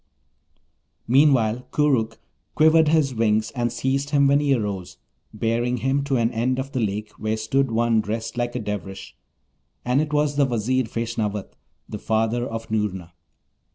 Meanwhile Koorookh quivered his wings and seized him when he arose, bearing him to an end of the lake, where stood one dressed like a Dervish, and it was the Vizier Feshnavat, the father of Noorna.